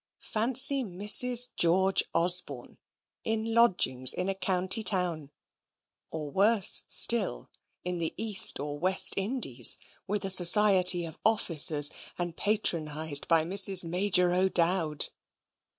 Fancy Mrs. George Osborne in lodgings in a county town; or, worse still, in the East or West Indies, with a society of officers, and patronized by Mrs. Major O'Dowd!